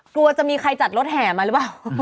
กลัวจะมีใครจัดรถแห่มาหรือเปล่า